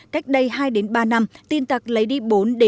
cách đây hai ba năm tin tặc lấy đi bốn năm mươi tỷ đồng là rất lớn